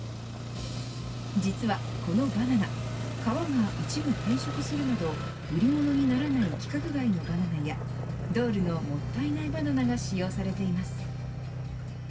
実はこのバナナ皮が一部変色するなど売り物にならない規格外のバナナやＤｏｌｅのもったいないバナナが使用されています。